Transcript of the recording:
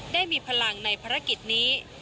ได้มีพลังในภารกิจนี้